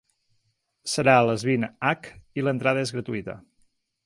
Serà a les vint h i l’entrada és gratuïta.